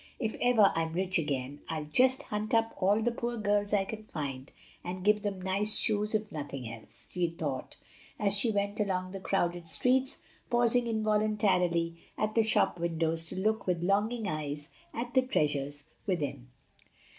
If ever I'm rich again, I'll just hunt up all the poor girls I can find, and give them nice shoes, if nothing else," she thought, as she went along the crowded streets, pausing involuntarily at the shop windows to look with longing eyes at the treasures within.